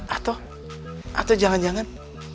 atau atau jangan jangan